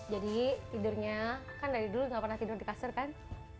jadi tidurnya kan dari dulu enggak pernah tidur di kasur kan